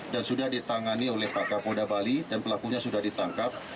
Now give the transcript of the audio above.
dan sudah ditangani oleh pak kabolda bali dan pelakunya sudah ditangkap